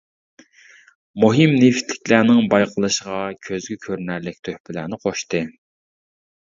مۇھىم نېفىتلىكلەرنىڭ بايقىلىشىغا كۆزگە كۆرۈنەرلىك تۆھپىلەرنى قوشتى.